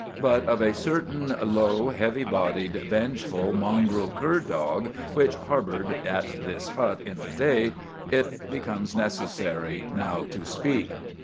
But of a certain low, heavy bodied, vengeful, mongrel cur dog which harbored at this hut in the day, it becomes necessary now to speak.